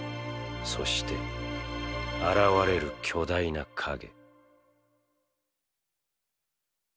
そして現れる巨大な影